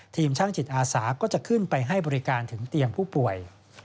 ทีมช่างจิตอาสาก็จะขึ้นไปให้บริการถึงเตียงผู้ป่วย